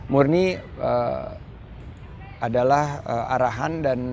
murni adalah arahan dan kekuatan saya